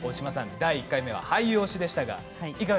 第１回は俳優推しでした。